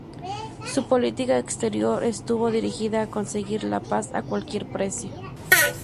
Su política exterior estuvo dirigida a conseguir la paz a cualquier precio.